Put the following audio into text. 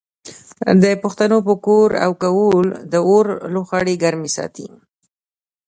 د پښتنو پر کور او کهول د اور لوخړې ګرمې ساتي.